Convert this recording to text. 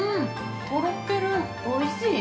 おいしい。